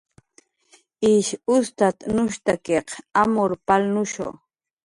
Ish ustatnushstakiq amurw palnushu